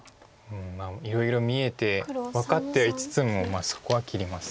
まあいろいろ見えて分かってはいつつもそこは切ります。